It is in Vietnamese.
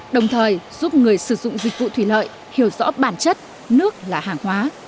đồng thời giúp người sử dụng dịch vụ thủy lợi hiểu rõ bản chất nước là hàng hóa